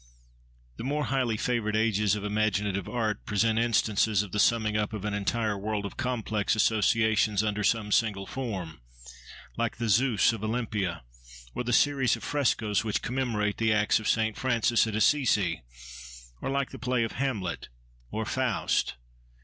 The more highly favoured ages of imaginative art present instances of the summing up of an entire world of complex associations under some single form, like the Zeus of Olympia, or the series of frescoes which commemorate The Acts of Saint Francis, at Assisi, or like the play of Hamlet or Faust.